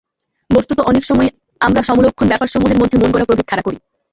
বস্তুত অনেক সময়েই আমরা সমলক্ষণ ব্যাপারসমূহের মধ্যে মনগড়া প্রভেদ খাড়া করি।